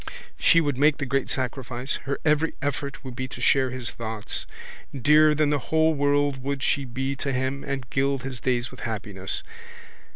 She would make the great sacrifice. Her every effort would be to share his thoughts. Dearer than the whole world would she be to him and gild his days with happiness.